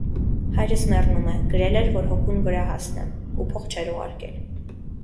Հայրս մեռնում է, գրել էր, որ հոգուն վրա հասնեմ, ու փող չէր ուղարկել: